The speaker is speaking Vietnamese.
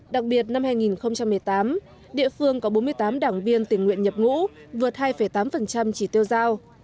đặc biệt năm hai nghìn một mươi tám địa phương có bốn mươi tám đảng viên tình nguyện nhập ngũ vượt hai tám chỉ tiêu giao